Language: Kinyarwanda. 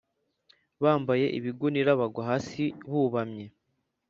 bambaye ibigunira bagwa hasi bubamye